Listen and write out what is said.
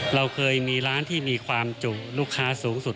เราเคยมีร้านที่มีความจุลูกค้าสูงสุด